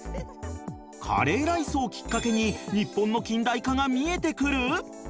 カレーライスをきっかけに日本の近代化が見えてくる？